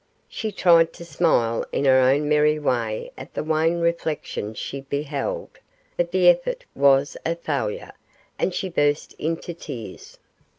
She tried to smile in her own merry way at the wan reflection she beheld, but the effort was a failure, and she burst into tears.